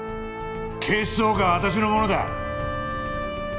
警視総監は私のものだ！